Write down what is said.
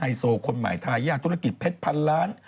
โซคนใหม่ทายาทธุรกิจเพชรพันล้าน